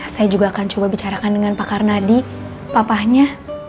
saya juga akan coba bicarakan dengan pak karnadi papahnya